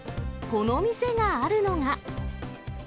この店があるのが。